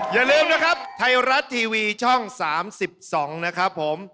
อย่าลืมนะครับไทยรัฐทีวีช่อง๓๒นะครับผม